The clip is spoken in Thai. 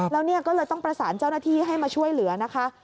แล้วเนี่ยก็เลยต้องประสานเจ้าหน้าที่ให้มาช่วยเหลือนะคะ